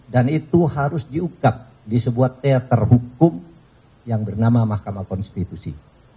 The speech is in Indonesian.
dan itu harus diukap di sebuah teater hukum yang bernama mahkamah konstitusi